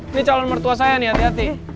ini calon mertua saya nih hati hati